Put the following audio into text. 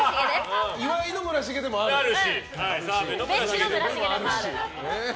澤部の村重でもあるし。